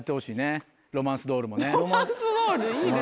ロマンスドールいいです。